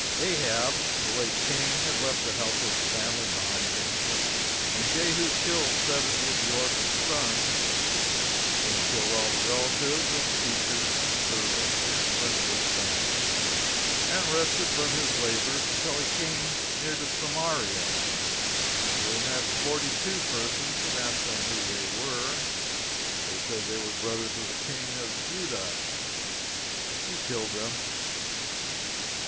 Ahab, the late King, had left a helpless family behind him, and Jehu killed seventy of the orphan sons. Then he killed all the relatives, and teachers, and servants and friends of the family, and rested from his labors, until he was come near to Samaria, where he met forty two persons and asked them who they were; they said they were brothers of the King of Judah. He killed them.